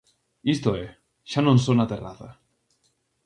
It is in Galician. Isto é, xa non só na terraza.